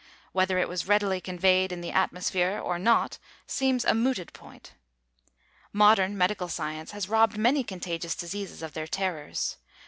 Whether it was readily conveyed in the atmosphere or not seems a mooted point. Modern medical science has robbed many contagious diseases of their terrors.